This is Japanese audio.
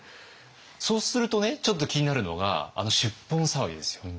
そうするとねちょっと気になるのがあの出奔騒ぎですよ。